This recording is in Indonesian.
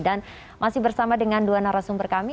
dan masih bersama dengan dua narasumber kami